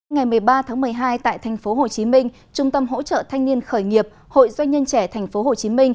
ngày một mươi ba tháng một mươi hai tại tp hcm trung tâm hỗ trợ thanh niên khởi nghiệp hội doanh nhân trẻ tp hcm